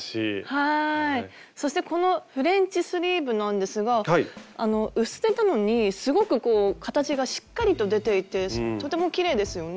そしてこのフレンチスリーブなんですが薄手なのにすごくこう形がしっかりと出ていてとてもきれいですよね。